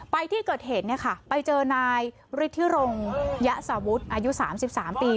ไปที่เกิดเหตุเนี่ยค่ะไปเจอนายฤทธิรงยะสาวุตรอายุ๓๓ปี